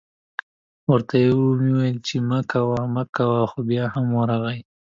ورته ویل مې چې مه کوه مه کوه خو بیا هم ورغی